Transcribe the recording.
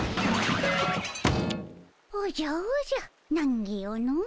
おじゃおじゃなんぎよの。